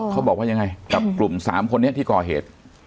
เขาบอกว่ายังไงกับกลุ่ม๓คนนี้ที่ก่อเหตุ